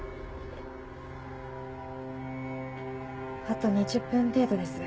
あと２０分程度です。